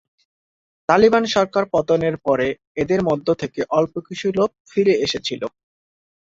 তালিবান সরকার পতনের পরে এদের মধ্য থেকে অল্প কিছু লোক ফিরে এসেছিল।